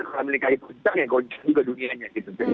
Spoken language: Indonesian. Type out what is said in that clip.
kalau amerika itu gajah ya gajah juga dunianya